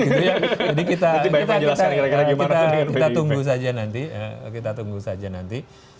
jadi kita tunggu saja nanti